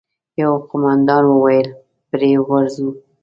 يوه قوماندان وويل: پرې ورځو!